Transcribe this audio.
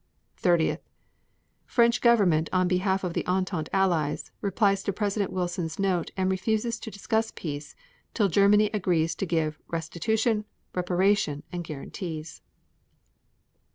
30. French government on behalf of Entente Allies replies to President Wilson's note and refuses to discuss peace till Germany agrees to give 'restitution, reparation and guarantees.'